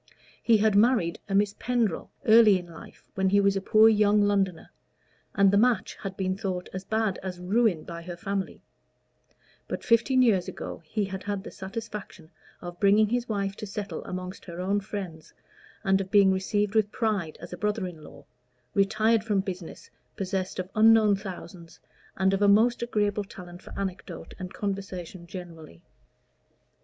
He had married a Miss Pendrell early in life, when he was a poor young Londoner, and the match had been thought as bad as ruin by her family; but fifteen years ago he had had the satisfaction of bringing his wife to settle amongst her own friends, and of being received with pride as a brother in law, retired from business, possessed of unknown thousands, and of a most agreeable talent for anecdote and conversation generally.